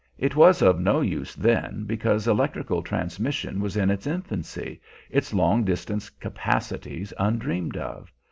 It was of no use then, because electrical transmission was in its infancy, its long distance capacities undreamed of.